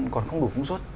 còn không đủ cung suất